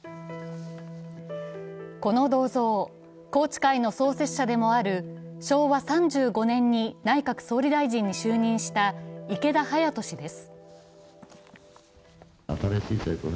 この銅像、宏池会の創設者でもある昭和３５年に内閣総理大臣に就任した池田勇人氏です。